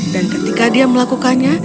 dan ketika dia melakukannya